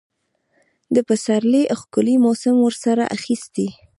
د پسرلي ښکلي موسم ورسره اخیستی.